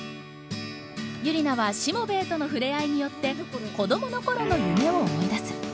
ユリナはしもべえとの触れ合いによって子どもの頃の夢を思い出す。